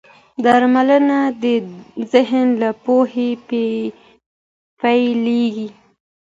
درملنه د ذهن له پوهې پيلېږي.